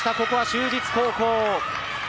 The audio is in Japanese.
ここは就実高校。